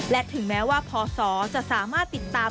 และถึงแม้ว่าพศจะสามารถติดตาม